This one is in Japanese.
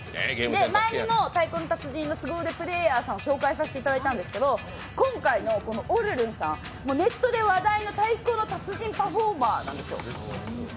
前にも「太鼓の達人」のすご腕プレーヤーさんを紹介させていただいたんですけど、今回のおるるんさん、ネットで話題の「太鼓の達人」パフォーマーなんですよ。